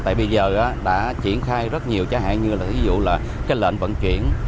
tại bây giờ đã triển khai rất nhiều chẳng hạn như là ví dụ là cái lệnh vận chuyển